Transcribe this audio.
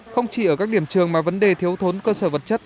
không chỉ ở các điểm trường mà vấn đề thiếu thốn cơ sở vật chất